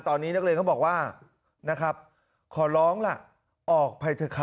ตอนนี้นักเรียนเขาบอกว่านะครับขอร้องล่ะออกไปเถอะค่ะ